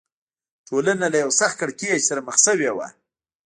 ټولنه له یوه سخت کړکېچ سره مخ شوې وه.